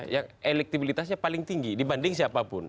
yang elektibilitasnya paling tinggi dibanding siapapun